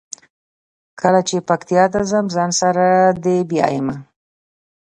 کله چې پکتیا ته ځم ځان سره دې بیایمه.